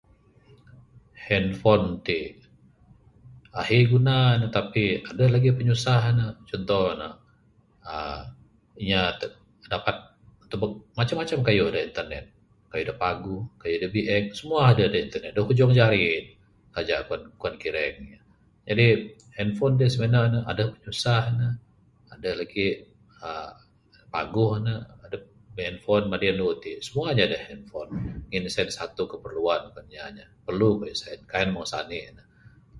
Handphone ti, ahi guna ne tapi adeh lagi pinyusah ne chunto ne aaa inya teb dapat tebek macam macam kayuh da internet, kayuh da paguh kayuh da biek, semua ne adeh da internet, da hujung jari aja kuan kuan kireng. Jadi handphone ti smene ne adeh pinyusah ne, adeh lagi aaa paguh ne. Adep bi'handphone madi andu ti semua inya deh handphone. Ngin ne siap satu keperluan kuan inya nih, perlu mirih sien kaik meng sanik ne.